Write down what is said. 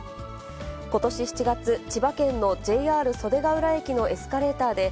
ことし７月、千葉県のＪＲ袖ヶ浦駅のエスカレーターで、